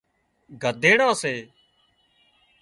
گڌاڙان سي